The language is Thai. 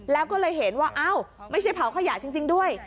แล้วก็เลยเห็นว่าอ้าวไม่ใช่เผาขยะจริงด้วย